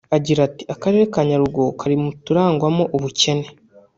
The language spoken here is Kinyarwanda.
Agira ati “Akarere ka Nyaruguru kari mu turangwamo ubukene